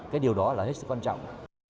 cái điều đó là hết sức quan trọng